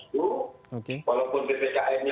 termasuk mengganti nama kebijakan kita